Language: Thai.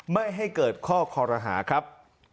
ไม่ให้เกิดข้อคอรหาครับ